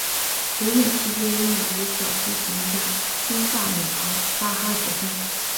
留美期间与美籍小提琴家金发女郎巴哈结婚。